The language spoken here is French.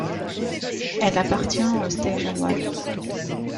Elle appartient au Steigerwald.